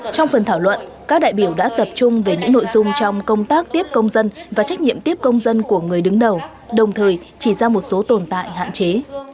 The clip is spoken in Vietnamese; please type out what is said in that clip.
trong phần thảo luận các đại biểu đã tập trung về những nội dung trong công tác tiếp công dân và trách nhiệm tiếp công dân của người đứng đầu đồng thời chỉ ra một số tồn tại hạn chế